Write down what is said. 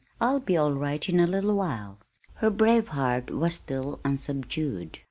I'll be all right in a little while." Her brave heart was still unsubdued.